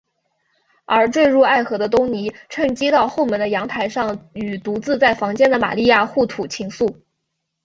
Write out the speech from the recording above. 而坠入爱河的东尼趁机到后门的阳台上与独自在房间的玛利亚互吐情愫。